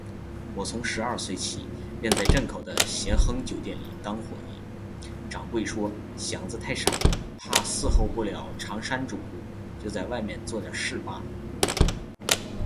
我从十二岁起，便在镇口的咸亨酒店里当伙计，掌柜说，样子太傻，怕侍候不了长衫主顾，就在外面做点事罢。